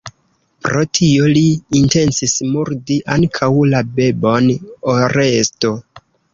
Pro tio li intencis murdi ankaŭ la bebon Oresto.